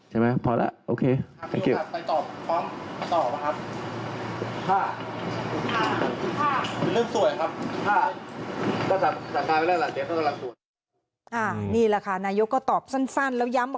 เห็นไหมพอแล้วโอเคขอบคุณครับไปตอบพร้อมตอบครับ